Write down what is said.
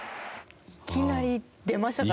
いきなり出ましたからね。